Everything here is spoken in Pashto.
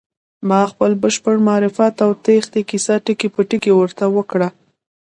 ما خپل بشپړ معرفت او تېښتې کيسه ټکی په ټکی ورته وکړه.